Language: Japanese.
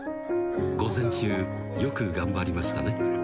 午前中、よく頑張りましたね。